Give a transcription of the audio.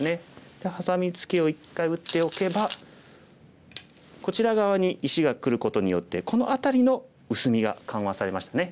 でハサミツケを一回打っておけばこちら側に石がくることによってこの辺りの薄みが緩和されましたね。